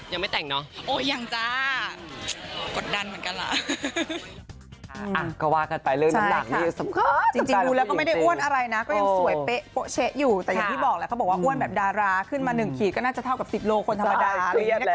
ยังไม่แต่งเนาะยังจ้ากดดันเหมือนกันล่ะ